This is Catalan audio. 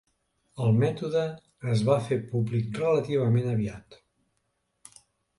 El mètode es va fer públic relativament aviat.